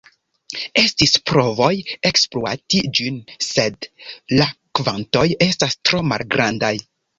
Estis provoj ekspluati ĝin, sed la kvantoj estas tro malgrandaj.